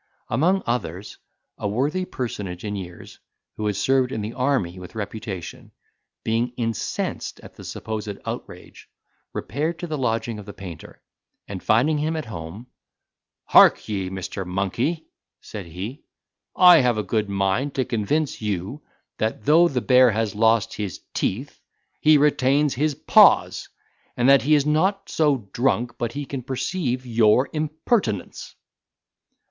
Among others, a worthy personage in years, who had served in the army with reputation, being incensed at the supposed outrage, repaired to the lodging of the painter, and finding him at home, "Hark ye, Mr. Monkey," said he, "I have a good mind to convince you, that though the bear has lost his teeth, he retains his paws, and that he is not so drunk but he can perceive your impertinence."